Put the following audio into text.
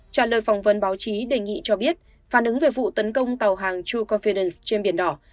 trả lời phỏng vấn báo chí đề nghị cho biết phản ứng về vụ tấn công tàu hàng troe confidence trên biển đỏ